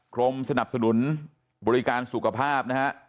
กรมสนับสนุนบริการสุขภาพนะฮะ